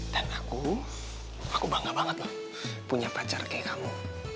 dan aku aku bangga banget loh punya pacar kayak kamu